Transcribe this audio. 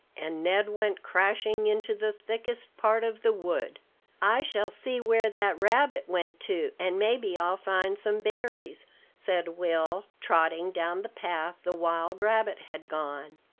And Ned went crashing into the thickest part of the wood. "I shall see where that rabbit went to, and maybe I'll find some berries," said Will, trotting down the path the wild rabbit had gone.